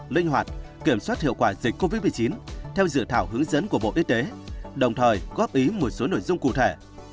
linh hoạt kiểm soát hiệu quả dịch covid một mươi chín theo dự thảo hướng dẫn của bộ y tế đồng thời góp ý một số nội dung cụ thể